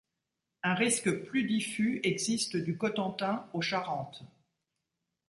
Un risque plus diffus existe du Cotentin aux Charentes.